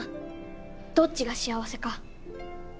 どっちが幸せか。